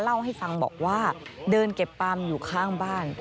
เล่าให้ฟังบอกว่าเดินเก็บปั๊มอยู่ข้างบ้าน